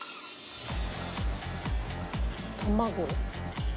卵。